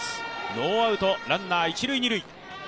ノーアウトランナーは一・二塁。